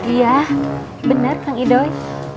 iya benar kang idoi